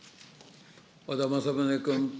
和田政宗君。